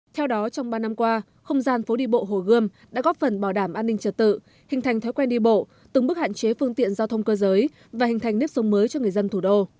theo đó trong ba năm qua không gian phố đi bộ hồ gươm đã góp phần bảo đảm an ninh trật tự hình thành thói quen đi bộ từng bước hạn chế phương tiện giao thông cơ giới và hình thành nếp sông mới cho người dân thủ đô